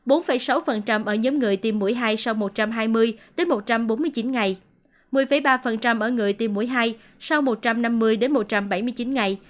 bốn sáu ở nhóm người tiêm mũi hai sau một trăm hai mươi một trăm bốn mươi chín ngày một mươi ba ở người tiêm mũi hai sau một trăm năm mươi một trăm bảy mươi chín ngày